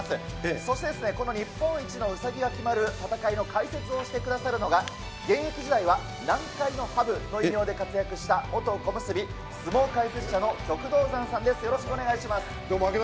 そしてこの日本一のうさぎが決まる戦いの解説をしてくださるのが、現役時代は南海のハブの異名で活躍した、元小結、相撲解説者の旭道山さんです。